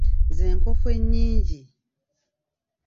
Ze nkofu enyingi.